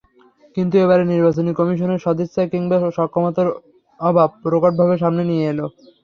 কিন্তু এবারের নির্বাচনটি কমিশনের সদিচ্ছা কিংবা সক্ষমতার অভাব প্রকটভাবে সামনে নিয়ে এল।